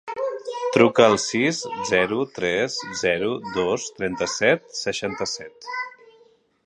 Truca al sis, zero, tres, zero, dos, trenta-set, seixanta-set.